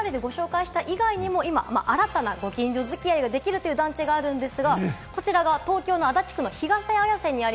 ＶＴＲでご紹介した以外にも今、新たなご近所付き合いができるという団地があるんです。